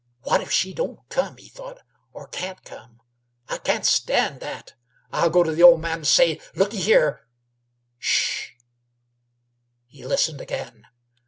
"What if she don't come?" he thought. "Or can't come? I can't stand that. I'll go to the old man an' say, 'Looky here ' Sh!" He listened again.